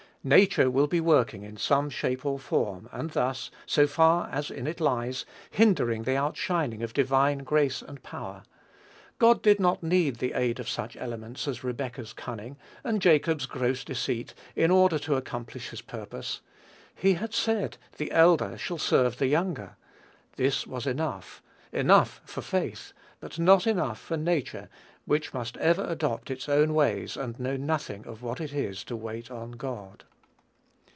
Nature will be working in some shape or form, and thus, so far as in it lies, hindering the outshining of divine grace and power. God did not need the aid of such elements as Rebekah's cunning and Jacob's gross deceit, in order to accomplish his purpose. He had said, "the elder shall serve the younger." This was enough, enough for faith, but not enough for nature, which must ever adopt its own ways, and know nothing of what it is to wait on God.